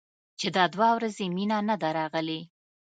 چې دا دوه ورځې مينه نه ده راغلې.